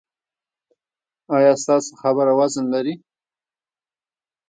ایا ستاسو خبره وزن لري؟